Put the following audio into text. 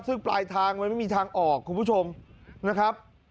ซึ่งปลายทางมันไม่มีทางออกคุณผู้ชมนะครับ